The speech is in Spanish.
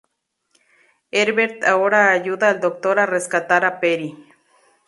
Herbert ahora ayuda al Doctor a rescatar a Peri.